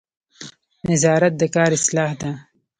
نظارت د کار اصلاح ده